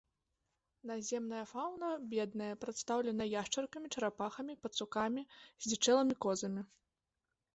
Наземная фаўна бедная, прадстаўлена яшчаркамі, чарапахамі, пацукамі, здзічэлымі козамі.